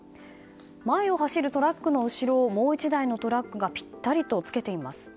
前を走るトラックの後ろをもう１台のトラックがぴったりとつけています。